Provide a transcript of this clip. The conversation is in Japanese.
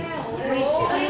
おいしい？